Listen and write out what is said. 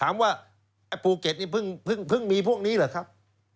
ถามว่าภูเก็ตเพิ่งมีพวกนี้หรือครับ